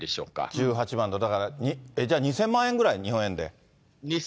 １８万ドル、だから、じゃあ、２０００万円ぐらい、日本円で。